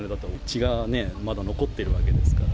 血がね、まだ残っているわけですから。